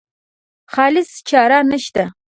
خالصه چاره نشته.